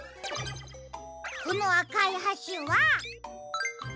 このあかいはしは。